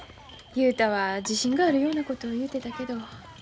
雄太は自信があるようなこと言うてたけど。